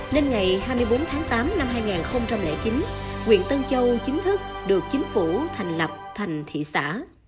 nên ngày hai mươi bốn tháng tám năm hai nghìn chín quyện tân châu chính thức được chính phủ thành lập thành thị xã